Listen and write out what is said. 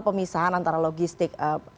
pemisahan antara logistik